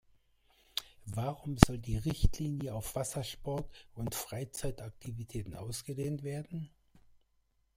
Warum soll die Richtlinie auf Wassersport und Freizeitaktivitäten ausgedehnt werden?